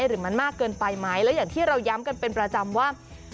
หรือมันมากเกินไปไหมแล้วอย่างที่เราย้ำกันเป็นประจำว่า